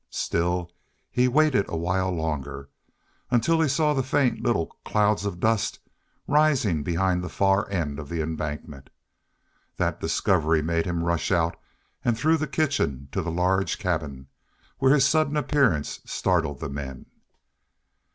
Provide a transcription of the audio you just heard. Still, he waited awhile longer, until he saw faint, little clouds of dust rising from behind the far end of the embankment. That discovery made him rush out, and through the kitchen to the large cabin, where his sudden appearance startled the men.